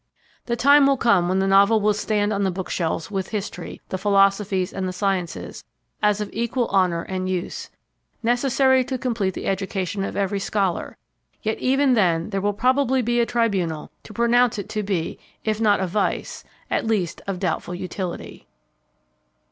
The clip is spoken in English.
The time will come when the Novel will stand on the book shelves with history, the philosophies and the sciences, as of equal honor and use necessary to complete the education of every scholar; yet even then there will probably be a tribunal to pronounce it to be, if not a vice, at least of doubtful utility.